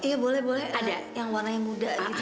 iya boleh ada yang warna yang muda